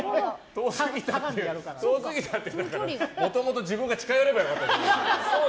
遠すぎたって、もともと自分が近寄ればよかったじゃん。